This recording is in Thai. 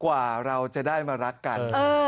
กว่าเราจะได้มารักกัน